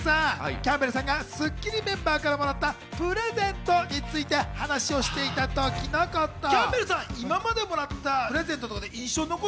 キャンベルさんがスッキリメンバーからもらったプレゼントについて話をしていたときのこと。